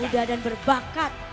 muda dan berbakat